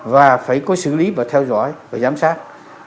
và phải có xử lý và theo dõi và giám sát